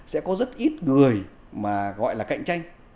sẽ có rất ít người gọi là cạnh tranh